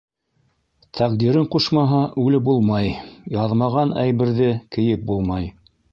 Тәҡдирең ҡушмаһа, үлеп булмай, яҙмаған әйберҙе кейеп булмай...